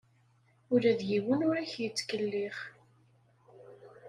Ula d yiwen ur ak-yettkellix.